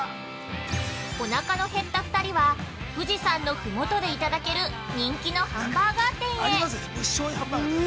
◆おなかの減った２人は富士山のふもとでいただける人気のハンバーガー店へ。